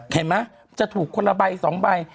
เห็นไหมจะถูกคนละใบ๒ใบ